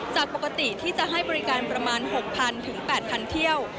จากปกติที่จะให้บริการประมาณ๖๐๐๐ถึง๘๐๐เที่ยว